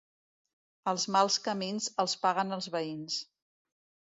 Els mals camins els paguen els veïns.